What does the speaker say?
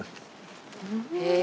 へえ。